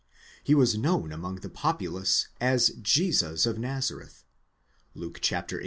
He was known among the populace as Jesus of Nazareth (Luke xviii.